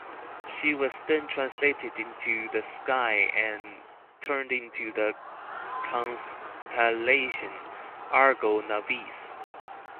She was then translated into the sky and turned into the constellation Argo Navis.